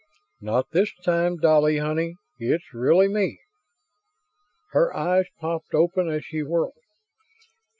"Not this time, Dolly honey. It's really me." Her eyes popped open as she whirled.